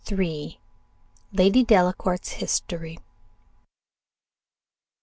LADY DELACOUR'S HISTORY.